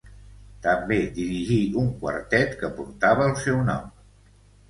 També dirigí un quartet que portava el seu nom.